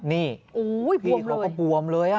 นี่พี่น้องก็ปวมเลย